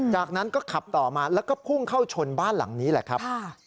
จากนั้นก็ขับต่อมาแล้วก็พุ่งเข้าชนบ้านหลังนี้แหละครับ